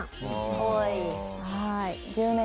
かわいい。